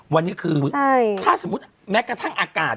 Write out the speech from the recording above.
วันนี้คือถ้าสมมุติแม้กระทั่งอากาศ